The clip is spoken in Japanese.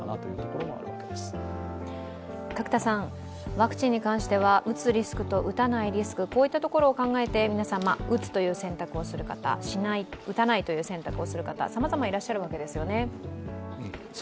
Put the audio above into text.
ワクチンに関しては、打つリスクと打たないリスクを考えて皆さん、打つという選択をする方、打たないという選択をする方、さまざまいらっしゃるわけですよね。